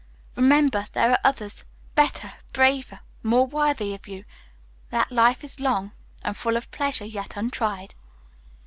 Remember, there are others, better, braver, more worthy of you; that life is long, and full of pleasure yet untried."